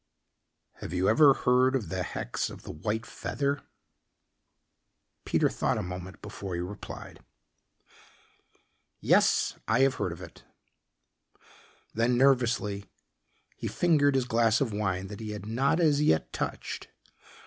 "Have you ever heard of the hex of the white feather?" Peter thought a moment before he replied. "Yes. I have heard of it." Then nervously he fingered his glass of wine that he had not as yet touched.